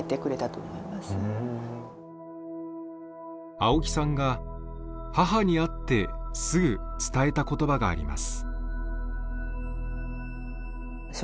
青木さんが母に会ってすぐ伝えた言葉があります。